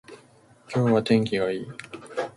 今日は天気がいい